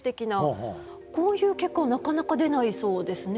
こういう結果はなかなか出ないそうですね。